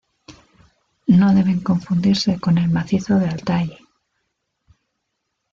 No deben confundirse con el macizo de Altái.